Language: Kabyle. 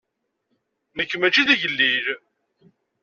Nekk maci d igellil.